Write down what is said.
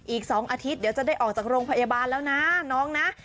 อีก๒อาทิตย์เดี๋ยวจะได้ออกจากโรงพยาบาลแล้วนะน้องนะ